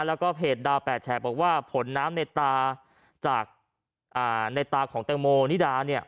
และก็เพจดาวแปดแชร์บอกว่าผลน้ำในตาจากอ่าในตาของเต็มโมนิดาเนี่ย